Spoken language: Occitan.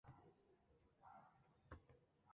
Ale nie mozna nie miec slabosci do swojedo kraju?